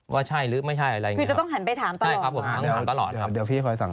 ว่าใช่หรือไม่ใช่อะไรอย่างเงี้ย